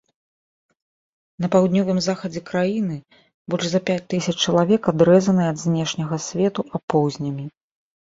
На паўднёвым захадзе краіны больш за пяць тысяч чалавек адрэзаныя ад знешняга свету апоўзнямі.